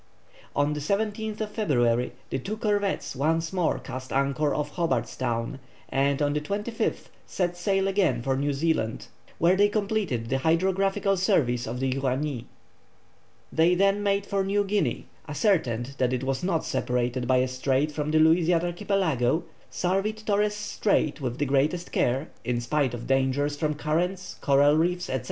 On the 17th February the two corvettes once more cast anchor off Hobart's Town, and on the 25th set sail again for New Zealand, where they completed the hydrographical surveys of the Uranie. They then made for New Guinea, ascertained that it was not separated by a strait from the Louisiade Archipelago, surveyed Torres Strait with the greatest care, in spite of dangers from currents, coral reefs, &c.